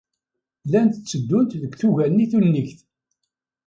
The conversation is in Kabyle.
Llant tteddunt deg tuga-nni tunnigt.